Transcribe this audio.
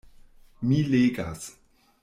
Mi legas.